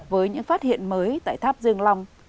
với những phát hiện mới tại tháp dương long